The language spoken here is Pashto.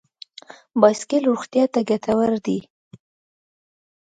بایسکل روغتیا ته ګټور دی.